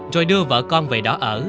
rồi đưa vợ con về đó ở